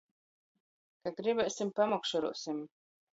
Ka gribēsim, pamokšoruosim.